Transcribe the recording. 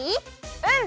うん！